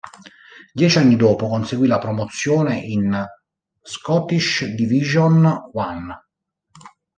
Dieci anni dopo conseguì la promozione in Scottish Division One.